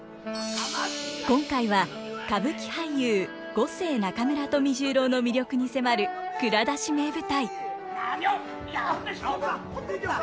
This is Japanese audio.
今回は歌舞伎俳優五世中村富十郎の魅力に迫る「蔵出し！名舞台」。